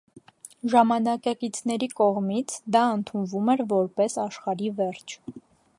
Ժամանակակիցների կողմից դա ընդունվում էր որպես աշխարհի վերջ։